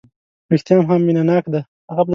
رېښتیا هم مینه ناک دی.